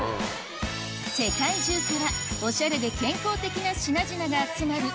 世界中からおしゃれで健康的な品々が集まる